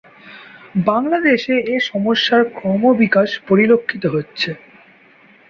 বাংলাদেশে এসমস্যার ক্রমবিকাশ পরিলক্ষিত হচ্ছে।